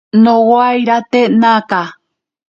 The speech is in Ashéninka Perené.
Nowairate naka.